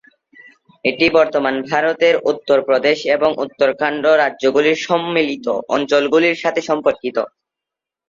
এটি বর্তমান ভারতের উত্তর প্রদেশ এবং উত্তরাখণ্ড রাজ্যগুলির সম্মিলিত অঞ্চলগুলির সাথে সম্পর্কিত।